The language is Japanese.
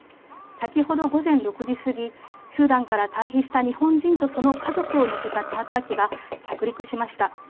先ほど午前６時過ぎ、スーダンから退避した日本人とその家族を乗せたチャーター機が着陸しました。